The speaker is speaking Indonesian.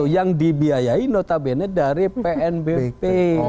yang dibiayai notabene dari pnbp